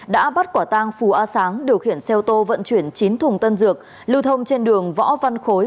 đã bắt quả tang phù a sáng điều khiển xe ô tô vận chuyển chín thùng tân dược lưu thông trên đường võ văn khối